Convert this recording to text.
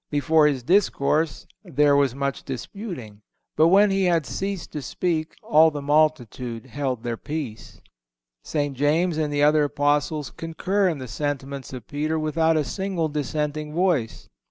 Before his discourse "there was much disputing." But when he had ceased to speak "all the multitude held their peace."(164) St. James and the other Apostles concur in the sentiments of Peter without a single dissenting voice.